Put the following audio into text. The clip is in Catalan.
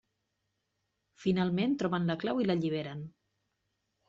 Finalment troben la clau i l'alliberen.